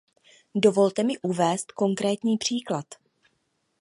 Dovolte mi uvést konkrétní příklad.